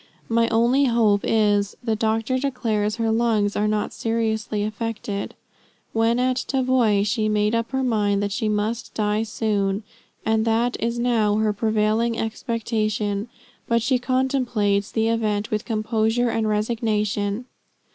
My only hope is, the doctor declares her lungs are not seriously affected. When at Tavoy, she made up her mind that she must die soon, and that is now her prevailing expectation; but she contemplates the event with composure and resignation.